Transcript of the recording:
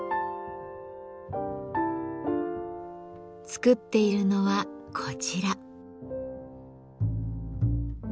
作っているのはこちら。